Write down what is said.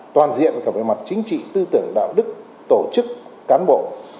toàn diện cả về mặt chính trị tư tưởng đạo đức tổ chức cán bộ